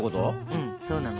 うんそうなの。